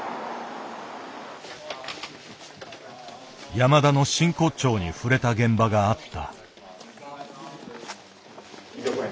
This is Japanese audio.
山田の真骨頂に触れた現場があった。